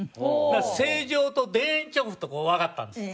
成城と田園調布とこうわかったんです。